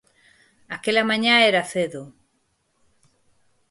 Aquela mañá era cedo.